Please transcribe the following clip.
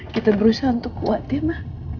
kita berusaha untuk kuat ya mah